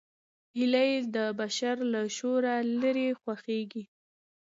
هیلۍ د بشر له شوره لیرې خوښېږي